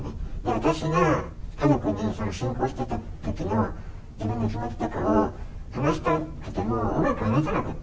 私が家族に信仰してたときの自分の気持ちとかを話したくてもうまく話せなくって。